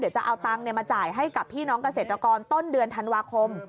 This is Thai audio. เดี๋ยวจะเอาตังค์มาจ่ายให้กับพี่น้องเกษตรกรต้นเดือนธันวาคม